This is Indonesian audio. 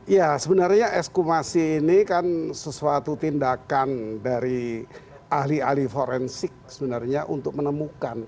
ya sebenarnya ekskumasi ini kan sesuatu tindakan dari ahli ahli forensik sebenarnya untuk menemukan